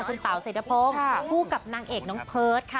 คุณเต๋าเศรษฐพงศ์คู่กับนางเอกน้องเพิร์ตค่ะ